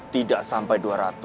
tidak sampai dua ratus